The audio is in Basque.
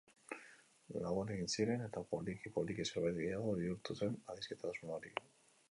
Lagun egin ziren, eta poliki-poliki zerbait gehiago bihurtu zen adiskidetasun hori.